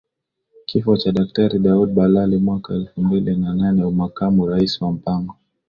kifo cha Daktari Daudi Balali mwaka elfu mbili na naneUmakamu Rais wa Mpango